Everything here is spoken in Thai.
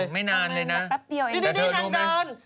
ยังลงค้องอยู่เลยปั้งแมนแป๊บเดียวเองรีดนี่รานเกิน